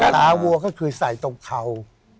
วัวก็คือใส่ตรงเข่า